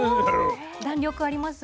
弾力あります？